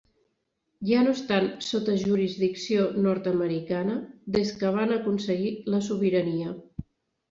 Ja no estan sota jurisdicció nord-americana des que van aconseguir la sobirania.